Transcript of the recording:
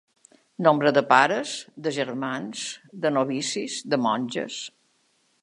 Nombre de pares, de germans, de novicis, de monges.